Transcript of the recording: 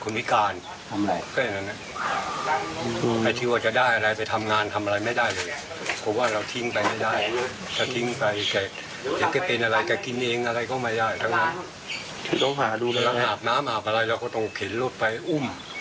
น้ำอาบอะไรเราก็ต้องเข็นรถไปอุ้ม